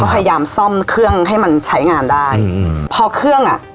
พยายามซ่อมเครื่องให้มันใช้งานได้อืมพอเครื่องอ่ะ